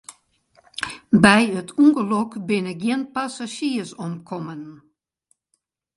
By it ûngelok binne gjin passazjiers omkommen.